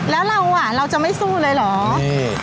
แล้วเราอ่ะเราจะไม่สู้เลยเหรอ